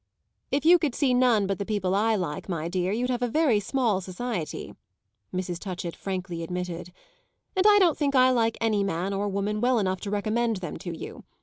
"If you could see none but the people I like, my dear, you'd have a very small society," Mrs. Touchett frankly admitted; "and I don't think I like any man or woman well enough to recommend them to you.